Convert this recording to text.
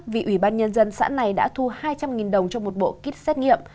vì ủy ban nhân dân xã này đã thu hai trăm linh đồng trong một bộ kít xét nghiệm